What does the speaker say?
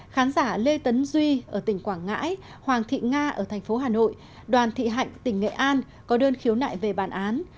khán giả lê tấn duy ở tỉnh quảng ngãi hoàng thị nga ở thành phố hà nội đoàn thị hạnh tỉnh nghệ an có đơn khiếu nại về bản án